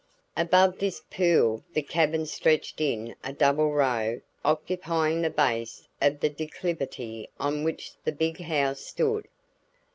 Above this pool the cabins stretched in a double row occupying the base of the declivity on which the "big house" stood.